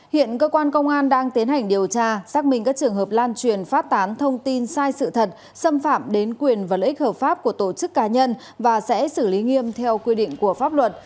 hiện cơ quan công an đang tiến hành điều tra xác minh các trường hợp lan truyền phát tán thông tin sai sự thật xâm phạm đến quyền và lợi ích hợp pháp của tổ chức cá nhân và sẽ xử lý nghiêm theo quy định của pháp luật